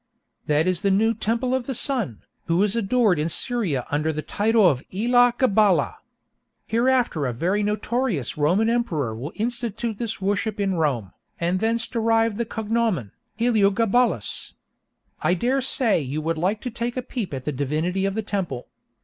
That is the new Temple of the Sun, who is adored in Syria under the title of Elah Gabalah. Hereafter a very notorious Roman Emperor will institute this worship in Rome, and thence derive a cognomen, Heliogabalus. I dare say you would like to take a peep at the divinity of the temple.